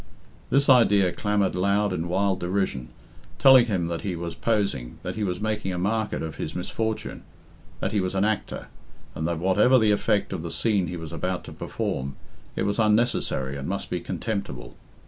This idea clamoured loud in wild derision, telling him that he was posing, that he was making a market of his misfortune, that he was an actor, and that whatever the effect of the scene he was about to perform, it was unnecessary and must be contemptible.